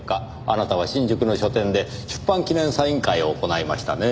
あなたは新宿の書店で出版記念サイン会を行いましたね？